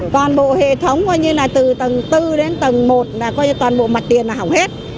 toàn bộ hệ thống coi như là từ tầng bốn đến tầng một là coi như toàn bộ mặt tiền là hỏng hết